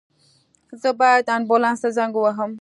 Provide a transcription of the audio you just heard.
زه باید آنبولاس ته زنګ ووهم